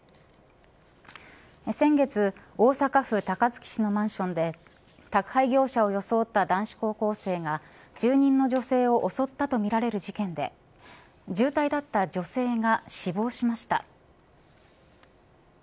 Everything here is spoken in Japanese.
先月大阪府高槻市のマンションで宅配業者を装った男子高校生が住人の女性を襲ったとみられる事件で重体だった女性が死亡しました。